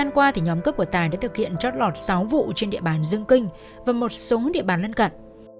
nhóm cướp thứ hai là do vũ tiến đạt sinh năm một nghìn chín trăm chín mươi một